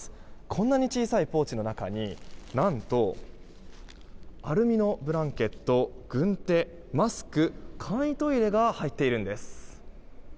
こんなに小さいポーチの中に何と、アルミのブランケット軍手、マスク簡易トイレが入っているんです。